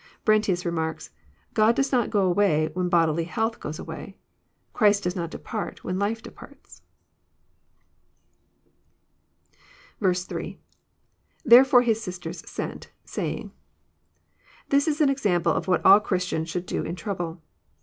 ^ Brentius remarks :<< God does not go away when bodily health goes away. Christ does not depart when life departs." 8. —[ Therefore his sisters sent. . .saying.'] This is an example of what all Christians should do in trouble.